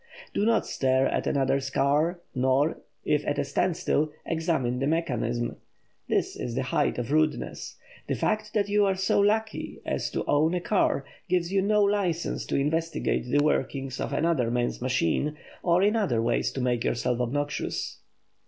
Do not stare at another's car, nor, if at a standstill, examine the mechanism. This is the height of rudeness. The fact that you are so lucky as to own a car gives you no license to investigate the workings of another man's machine, or in other ways to make yourself obnoxious.